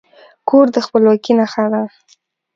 کور د خپلواکي نښه ده.